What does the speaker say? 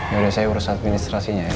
yaudah saya urusan administrasinya ya